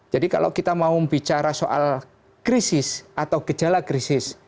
jadi kalau kita mau bicara soal krisis atau gejala krisis